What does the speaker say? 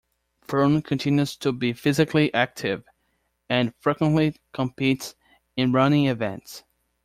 Thune continues to be physically active and frequently competes in running events.